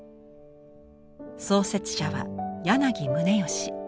創設者は柳宗悦。